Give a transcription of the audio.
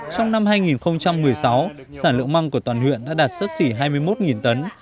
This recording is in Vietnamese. trong năm hai nghìn một mươi sáu sản lượng măng của toàn huyện đã đạt sấp xỉ hai mươi một tấn